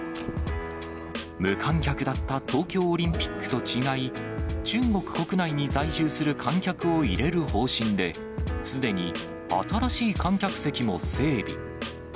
無観客だった東京オリンピックと違い、中国国内に在住する観客を入れる方針で、すでに新しい観客席も整備。